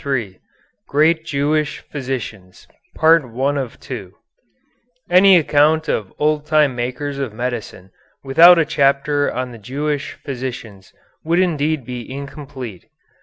III GREAT JEWISH PHYSICIANS Any account of Old Time Makers of Medicine without a chapter on the Jewish Physicians would indeed be incomplete.